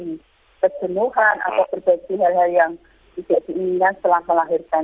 dan perjenuhan atau berbagi hal hal yang tidak diinginkan setelah melahirkan